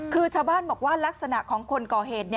คือชาวบ้านบอกว่าลักษณะของคนก่อเหตุ